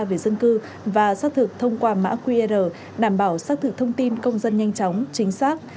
về dân cư và xác thực thông qua mã qr đảm bảo xác thực thông tin công dân nhanh chóng chính xác